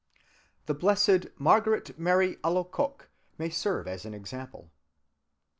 The blessed Margaret Mary Alacoque may serve as an example.